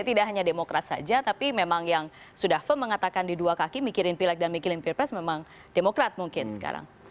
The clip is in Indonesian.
tidak hanya demokrat saja tapi memang yang sudah firm mengatakan di dua kaki mikirin pileg dan mikirin pilpres memang demokrat mungkin sekarang